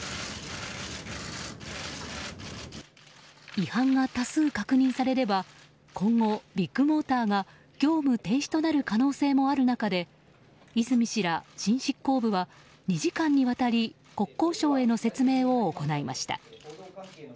違反が多数確認されれば今後、ビッグモーターが業務停止となる可能性もある中で和泉氏ら新執行部は２時間にわたり国交省への説明を行いました。